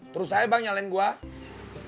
terus aja bang nyalain gue